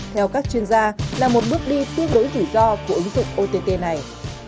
theo các chuyên gia là một bước đi tuyên đối tủ do của ứng dụng ott này